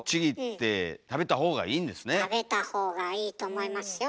食べたほうがいいと思いますよ。